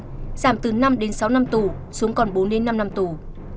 giảm từ năm đến sáu năm tù xuống còn bốn đến năm năm tù